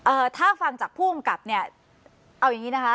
ถ้าฟังจากผู้กำกับเนี่ยเอาอย่างงี้นะคะ